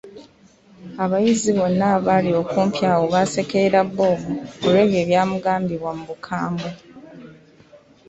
Abayizi bonna abaali okumpi awo baasekerera Bob, olw'ebyo ebyamugambibwa mu bukambwe.